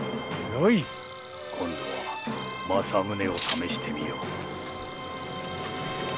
今度は正宗を試してみよう。